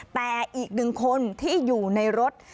แต่อีกหนึ่งคนที่อยู่ในรถ